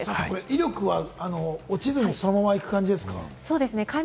威力は落ちずにそのまま行く感じですか？